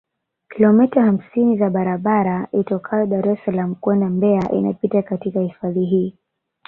Kilomita hamsini za barabara itokayo Dar es Salaam kwenda Mbeya inapita katika hifadhi hii